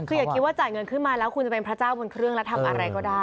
คืออย่าคิดว่าจ่ายเงินขึ้นมาแล้วคุณจะเป็นพระเจ้าบนเครื่องแล้วทำอะไรก็ได้